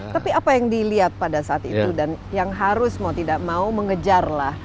tapi apa yang dilihat pada saat itu dan yang harus mau tidak mau mengejar lah